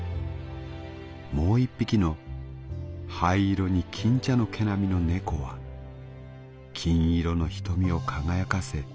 もう一匹の灰色に金茶の毛並みの猫は金色の瞳を輝かせ